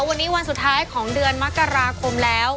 วันนี้วันสุดท้ายของเดือนมกราคมแล้ว